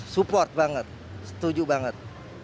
support banget setuju banget